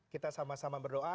kita sama sama berdoa